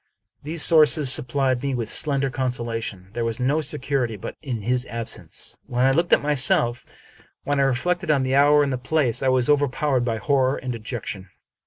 These sources sup plied me with slender consolation. There was no security but in his absence. When I looked at myself, when I re flected on the hour and the place, I was overpowered by horror and dejection.